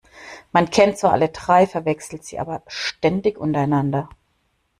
Man kennt zwar alle drei, verwechselt sie aber ständig untereinander.